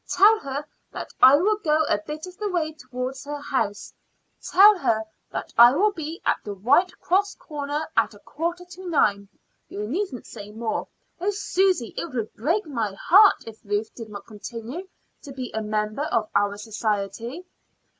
Tell her that I will go a bit of the way towards her house; tell her that I will be at the White Cross Corner at a quarter to nine. You needn't say more. Oh, Susy, it would break my heart if Ruth did not continue to be a member of our society."